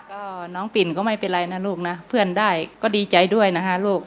ก็น้องปิ่นก็ไม่เป็นไรนะลูกนะเพื่อนได้ก็ดีใจด้วยนะคะลูก